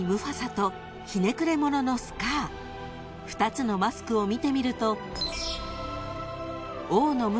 ［２つのマスクを見てみると］